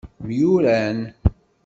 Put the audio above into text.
Myuran.